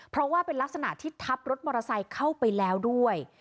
เพราะว่าเป็นลักษณะที่ทับรถมอเตอร์ไซค์เข้าไปแล้วด้วย